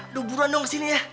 aduh buruan dong kesini ya